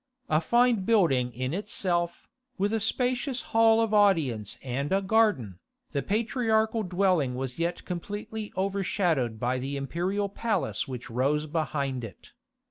A fine building in itself, with a spacious hall of audience and a garden, the patriarchal dwelling was yet completely overshadowed by the imperial palace which rose behind it.